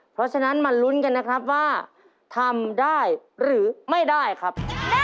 เพราะฉะนั้นมาลุ้นกันนะครับว่าทำได้หรือไม่ได้ครับ